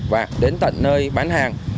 và đến tận nơi bán hàng